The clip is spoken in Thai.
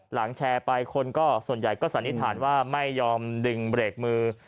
แชร์ไปคนก็ส่วนใหญ่ก็สันนิษฐานว่าไม่ยอมดึงเบรกมือ